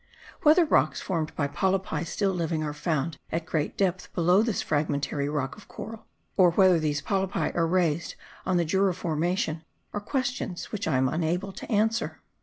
Whether rocks formed by polypi still living are found at great depth below this fragmentary rock of coral or whether these polypi are raised on the Jura formation are questions which I am unable to answer.